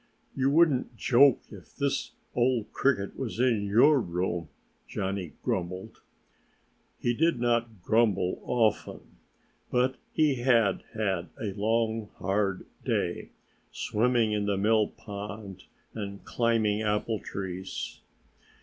"You wouldn't joke if this old Cricket was in your room," Johnnie grumbled. He did not grumble often. But he had had a long, hard day, swimming in the mill pond and climbing apple trees.